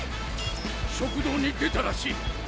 食道に出たらしい。